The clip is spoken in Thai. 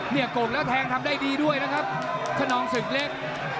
โก่งแล้วแทงทำได้ดีด้วยนะครับขนองศึกเล็ก